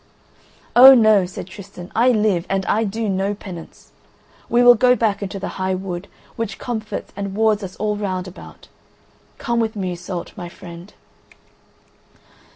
"Oh no," said Tristan, "I live and I do no penance. We will go back into the high wood which comforts and wards us all round about. Come with me, Iseult, my friend."